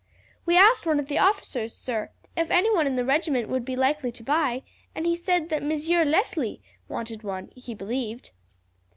"We asked one of the officers, sir, if anyone in the regiment would be likely to buy, and he said that Monsieur Leslie wanted one, he believed."